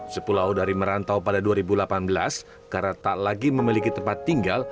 sepulau dari merantau pada dua ribu delapan belas karena tak lagi memiliki tempat tinggal